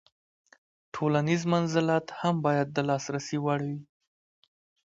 تولنیز منزلت هم باید د لاسرسي وړ وي.